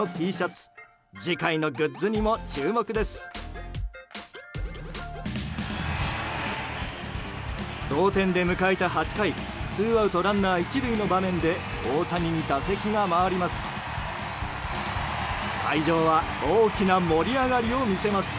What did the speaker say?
ツーアウトランナー１塁の場面で大谷に打席が回ります。